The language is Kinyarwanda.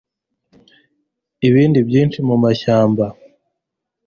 Ibindi byinshi mumashyamba